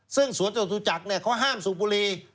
ซึ่งสวนจตุจักรเขาห้ามสูบบุรี